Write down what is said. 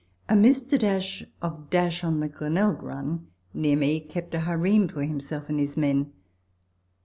Mr. , of , on the Glenelg run, near me, kept a harem for himself and his men.